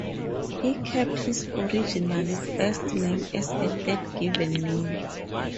He kept his original first name as a third given name.